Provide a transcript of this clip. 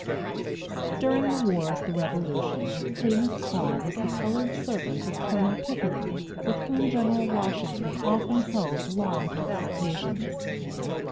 During the war of the Revolution, Primus Hall was the colored servant of Colonel Pickering, with whom General Washington often held long consultations.